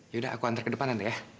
ya udah aku antar ke depan tante ya